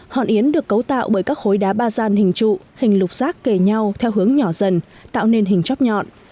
hòn yến được cấu tạo bởi các khối đá ba gian hình trụ hình lục rác kề nhau theo hướng nhỏ dần tạo nên hình chóp nhọn